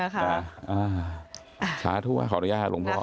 ช้าทั่วขออนุญาตหลวงพ่อ